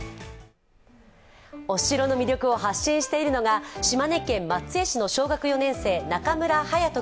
お城の魅力を発信しているのが島根県松江市の小学４年生中村勇斗